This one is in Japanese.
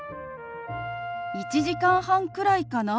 「１時間半くらいかな」。